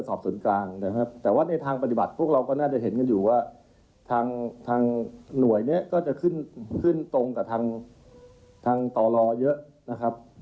ชโน้ยคอมมันโดหรือกล้องทัพกาลไปบัยการพิเศษของที่จริงแล้วโดยโดยตำแหน่งเกี่ยวมันอันเดอร์ศอบส่วนกลางนะครับ